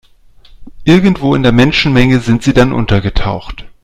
Irgendwo in der Menschenmenge sind sie dann untergetaucht.